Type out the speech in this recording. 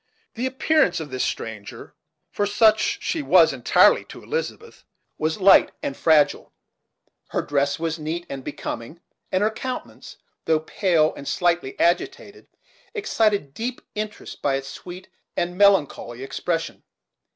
The appearance of this stranger, for such she was, entirely, to Elizabeth, was light and fragile. Her dress was neat and becoming; and her countenance, though pale and slightly agitated, excited deep interest by its sweet and melancholy expression.